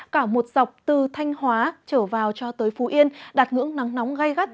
cả một dọc từ thanh hóa trở vào cho tới phú yên đạt ngưỡng nắng nóng gai gắt